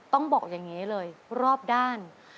ต้องบอกอย่างนี้เลยรอบด้าน